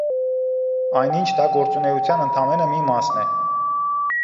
Այնինչ, դա գործունեության ընդամենը մի մասն է։